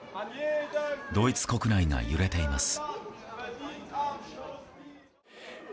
ドイツ国内が揺れています。